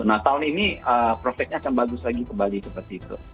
nah tahun ini prospeknya akan bagus lagi kembali seperti itu